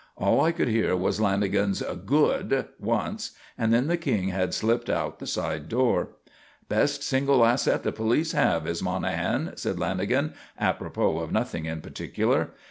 All I could hear was Lanagan's "Good!" once, and then the King had slipped out the side door. "Best single asset the police have is Monahan," said Lanagan, apropos of nothing in particular.